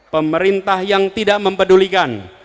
pemerintah yang tidak mempedulikan